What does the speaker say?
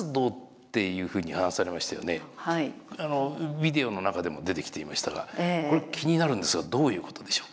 ビデオの中でも出てきていましたがこれ気になるんですがどういうことでしょうか？